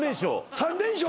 ３連勝？